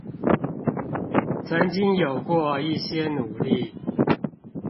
曾經有過一些努力